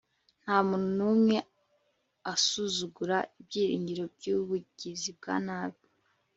Nta muntu numwe Asuzugura ibyiringiro byubugizi bwa nabi